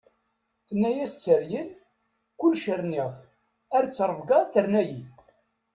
Tenna-as tteryel: "Kullec rniɣ-t, ar ttṛebga terna-yi."